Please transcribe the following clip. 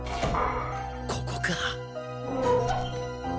ここか。